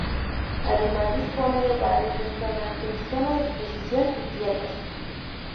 Además dispone de bares, restaurante, zona de exposición y tiendas.